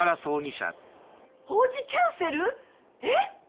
法事キャンセル？えっ！？